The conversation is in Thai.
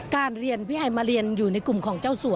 การเรียนพี่ไฮมาเรียนอยู่ในกลุ่มของเจ้าสัว